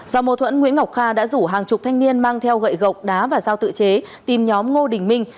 do mâu thuẫn nguyễn ngọc kha đã rủ hàng chục thanh niên mang theo gậy gộc đá và giao tự chế tìm nhóm ngô đình minh